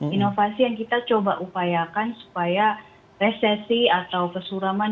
inovasi yang kita coba upayakan supaya resesi atau kesuraman